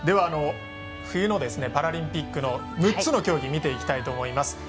冬のパラリンピックの６つの競技見ていきたいと思います。